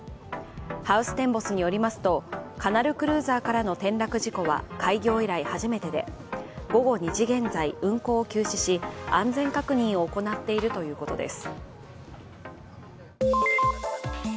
ハウステンボスによりますとカナルクルーザーからの転落事故は開業以来初めてで、午後２時現在、運航を休止し安全確認を行っているということです。